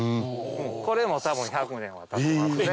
これも多分１００年はたってますね。